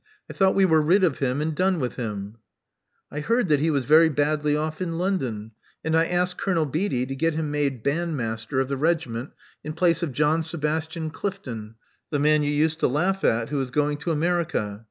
I thought we were rid of him and done with him?" I heard that he was very badly off in London; and I asked Colonel Beatty to get him made bandmaster of the regiment in place of John Sebastian Clifton — the man you used to laugh at — who is going to America.